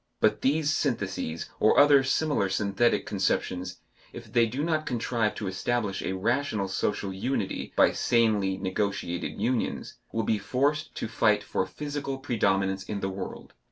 But these syntheses or other similar synthetic conceptions, if they do not contrive to establish a rational social unity by sanely negotiated unions, will be forced to fight for physical predominance in the world.